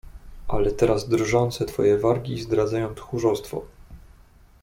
"Ale teraz drżące twoje wargi zdradzają tchórzostwo."